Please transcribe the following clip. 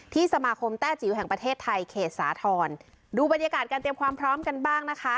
สมาคมแต้จิ๋วแห่งประเทศไทยเขตสาธรณ์ดูบรรยากาศการเตรียมความพร้อมกันบ้างนะคะ